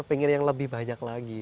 pengen yang lebih banyak lagi